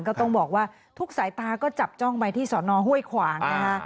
ก็ต้องบอกว่าทุกสายตาก็จับจ้องไปที่สอนอห้วยขวางนะคะ